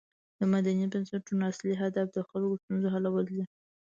د مدني بنسټونو اصلی هدف د خلکو د ستونزو حلول دي.